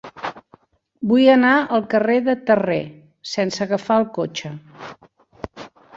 Vull anar al carrer de Terré sense agafar el cotxe.